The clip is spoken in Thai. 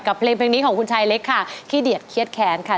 เพลงนี้ของคุณชายเล็กค่ะขี้เดียดเครียดแค้นค่ะ